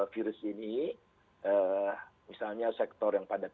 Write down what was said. virus ini misalnya sektor yang padat